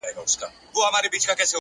غواړم د پېړۍ لپاره مست جام د نشیې ؛